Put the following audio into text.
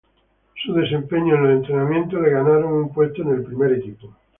Su desempeño en los entrenamientos le ganaron un puesto en el primer equipo.